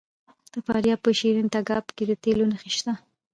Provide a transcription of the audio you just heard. د فاریاب په شیرین تګاب کې د تیلو نښې شته.